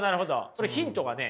それヒントはね